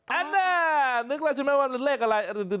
แล้วนั่นนึกแล้วใช่ไหมว่าเลขอะไร